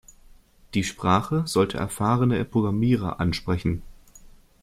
Die Sprache sollte erfahrene Programmierer ansprechen.